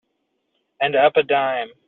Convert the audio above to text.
And up a dime.